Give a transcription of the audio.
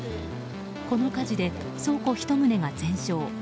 この火事で、倉庫１棟が全焼。